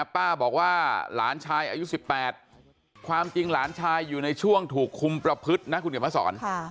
ป้าบอกว่าหลานชายอายุ๑๘ความจริงหลานชายอยู่ในช่วงถูกคุมประพฤตินะคุณเขียนมาสอน